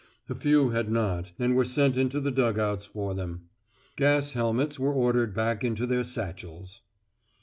A few had not, and were sent into the dug outs for them. Gas helmets were ordered back into their satchels.